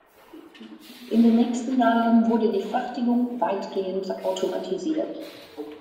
In den nächsten Jahren wurde die Fertigung weitgehend automatisiert.